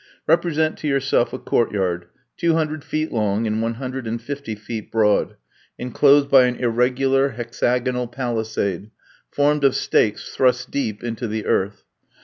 Represent to yourself a court yard, two hundred feet long, and one hundred and fifty feet broad, enclosed by an irregular hexagonal palisade, formed of stakes thrust deep into the earth.